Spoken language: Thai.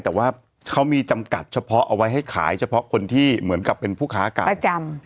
แต่ว่าเขามีจำกัดเฉพาะเอาไว้ให้ขายเฉพาะคนที่เหมือนกับเป็นผู้ค้ากาศประจำ